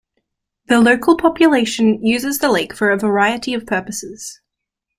The local population uses the lake for a variety of purposes.